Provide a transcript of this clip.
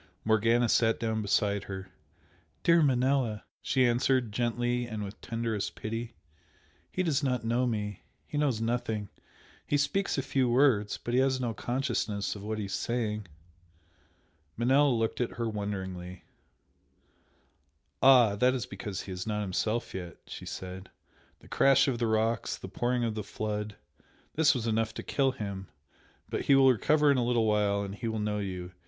Morgana sat down beside her. "Dear Manella" she answered, gently and with tenderest pity "He does not know me. He knows nothing! He speaks a few words, but he has no consciousness of what he is saying." Manella looked at her wonderingly "Ah, that is because he is not himself yet" she said "The crash of the rocks the pouring of the flood this was enough to kill him but he will recover in a little while and he will know you!